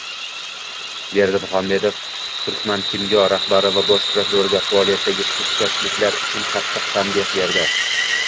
Berdimuhamedov Turkmankimyo rahbari va bosh prokurorga faoliyatidagi sustkashliklar uchun qattiq tanbeh berdi